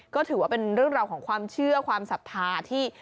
ก็ถือว่าเป็นเรื่องราวของความเชื่อความศรัทธาที่